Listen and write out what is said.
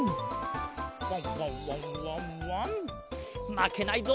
まけないぞ。